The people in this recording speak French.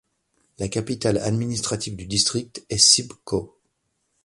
La capitale administrative du district est Shib Koh.